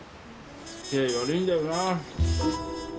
つきあい悪いんだよなぁ。